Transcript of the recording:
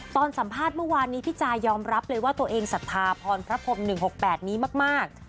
สัมภาษณ์เมื่อวานนี้พี่จายอมรับเลยว่าตัวเองศรัทธาพรพระพรม๑๖๘นี้มาก